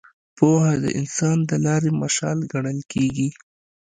پوهه د انسان د لارې مشال ګڼل کېږي.